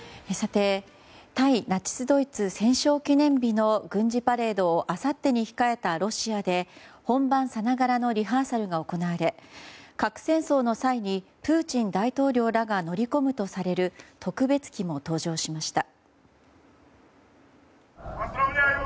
対ナチスドイツ戦勝記念日の軍事パレードをあさってに控えたロシアで本番さながらのリハーサルが行われ核戦争の際にプーチン大統領らが乗り込むとされる特別機も登場しました。